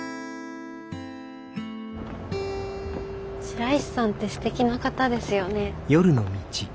白石さんってすてきな方ですよね。